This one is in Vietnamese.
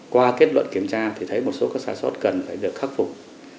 qua kết luận kiểm tra thì thấy một số các sai sót cần phải được khắc phục